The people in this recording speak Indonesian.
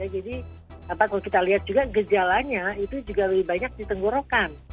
jadi dapat kita lihat juga gejalanya itu juga lebih banyak di tenggorokan